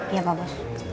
iya pak bos